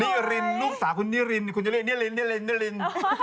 นิ้วรินลูกสาวคุณนิ้วรินคุณจะเรียกนิ้วรินนิ้วรินนิ้วริน